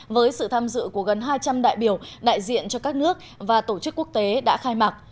với sự tham dự của gần hai trăm linh đại biểu đại diện cho các nước và tổ chức quốc tế đã khai mạc